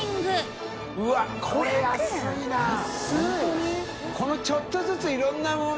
海ちょっとずついろんなもの